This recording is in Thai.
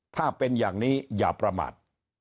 ถ้าเป็นอย่างนี้อย่าประมาท